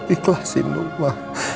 ikhlasin nuh ma